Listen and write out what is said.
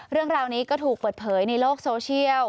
เรื่องราวนี้ก็ถูกเปิดเผยในโลกโซเชียล